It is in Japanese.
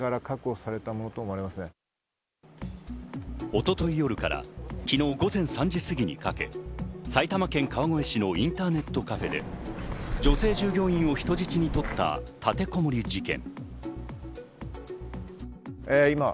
一昨日夜から昨日午前３時すぎにかけ、埼玉県川越市のインターネットカフェで女性従業員を人質に取った立てこもり事件。